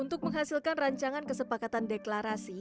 untuk menghasilkan rancangan kesepakatan deklarasi